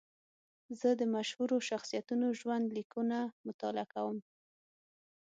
زه د مشهورو شخصیتونو ژوند لیکونه مطالعه کوم.